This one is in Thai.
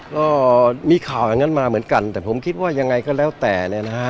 ก็มีข่าวอย่างนั้นมาเหมือนกันแต่ผมคิดว่ายังไงก็แล้วแต่เนี่ยนะฮะ